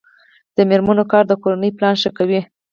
د میرمنو کار د کورنۍ پلان ښه کوي.